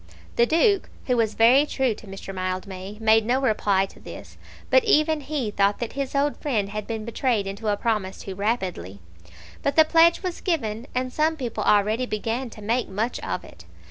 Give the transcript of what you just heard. The Duke, who was very true to Mr. Mildmay, made no reply to this, but even he thought that his old friend had been betrayed into a promise too rapidly. But the pledge was given, and some people already began to make much of it.